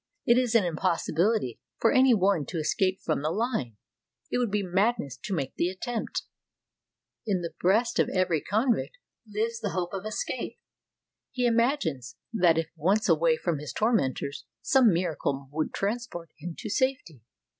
It is an impossibility for any one to escape from the line. It would be madness to make the attempt. In 184 ON THE MARCH TO SIBERIA the breast of every convict lives the hope of escape. He imagines that if once away from his tormentors some miracle would transport him to safety.